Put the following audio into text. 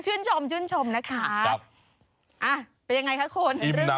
อ่ะชื่นชมชื่นชมนะคะอ่ะเป็นอย่างไรคะคุณหรือเปล่า